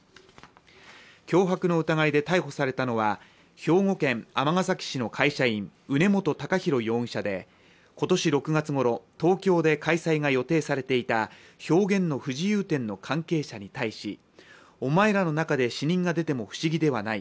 脅迫の疑いで逮捕されたのは兵庫県尼崎市の会社員宇根元崇泰容疑者で今年６月ごろ東京で開催が予定されていた「表現の不自由展」の関係者に対しお前らの中で死人が出ても不思議ではない。